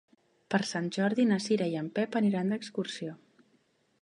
Per Sant Jordi na Cira i en Pep aniran d'excursió.